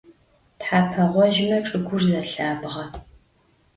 Thepe ğojıme çç'ıgur zelhabğe.